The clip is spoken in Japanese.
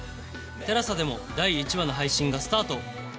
ＴＥＬＡＳＡ でも第１話の配信がスタート